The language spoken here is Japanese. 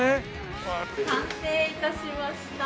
完成致しました。